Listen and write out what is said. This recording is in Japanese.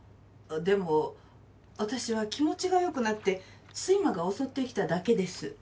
でも私は気持ちがよくなって睡魔が襲ってきただけです。